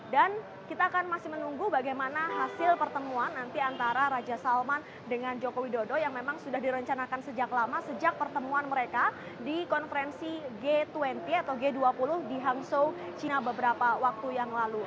dan kita akan masih menunggu bagaimana hasil pertemuan nanti antara raja salman dengan joko widodo yang memang sudah direncanakan sejak lama sejak pertemuan mereka di konferensi g dua puluh di hangzhou china beberapa waktu yang lalu